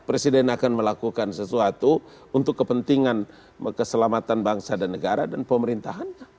presiden akan melakukan sesuatu untuk kepentingan keselamatan bangsa dan negara dan pemerintahannya